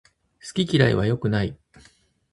好き嫌いは良くない